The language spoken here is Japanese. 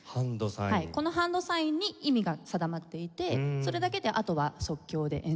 このハンドサインに意味が定まっていてそれだけであとは即興で演奏する。